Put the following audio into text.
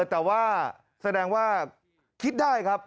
แต่ว่าแสดงว่าคิดได้ครับ